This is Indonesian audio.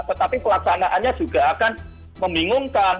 tetapi pelaksanaannya juga akan membingungkan